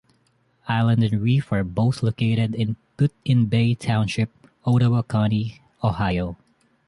Island and reef are both located in Put-in-Bay Township, Ottawa County, Ohio.